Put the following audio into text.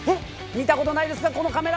見たことないですか？